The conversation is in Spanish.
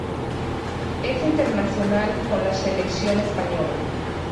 Es internacional con la Selección española.